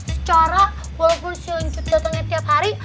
secara walaupun si lancut datangnya tiap hari